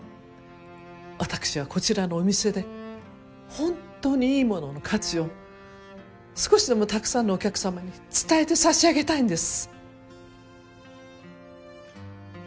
私はこちらのお店で本当にいいものの価値を少しでもたくさんのお客さまに伝えてさしあげたいんです。